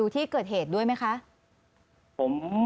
พอที่ตำรวจเขามาขอ